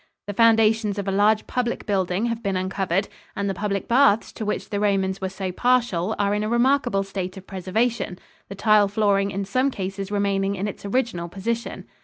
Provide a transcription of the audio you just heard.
The foundations of a large public building have been uncovered, and the public baths to which the Romans were so partial are in a remarkable state of preservation, the tile flooring in some cases remaining in its original position.